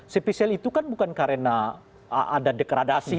spesial itu kan bukan karena ada dekradasi